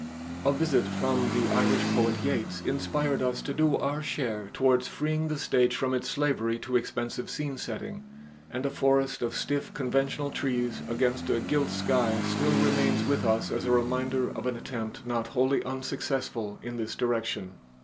A visit from the Irish poet Yeats inspired us to do our share towards freeing the stage from its slavery to expensive scene setting, and a forest of stiff conventional trees against a gilt sky still remains with us as a reminder of an attempt not wholly unsuccessful, in this direction.